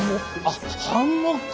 あっハンモック！